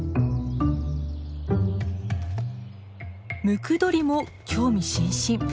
ムクドリも興味津々。